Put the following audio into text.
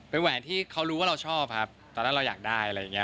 เป็นแหวนที่เขารู้ว่าเราชอบครับตอนนั้นเราอยากได้อะไรอย่างเงี้